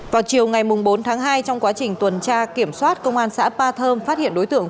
vào chiều ngày bốn tháng hai trong quá trình tuần tra kiểm soát công an xã ba thơm phát hiện đối tượng